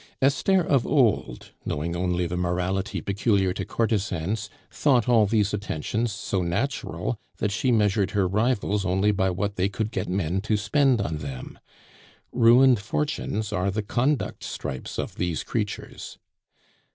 Esther of old, knowing only the morality peculiar to courtesans, thought all these attentions so natural, that she measured her rivals only by what they could get men to spend on them. Ruined fortunes are the conduct stripes of these creatures.